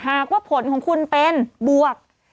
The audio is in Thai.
หากว่าผลของคุณเป็นบวก